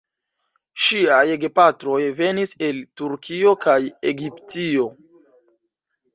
Ŝiaj gepatroj venis el Turkio kaj Egiptio.